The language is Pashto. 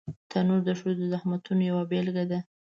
تنور د ښځو د زحمتونو یوه بېلګه ده